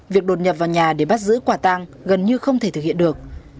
việc đột nhập vào nhà để bắt giữ quả tăng gần như không thể thực hiện được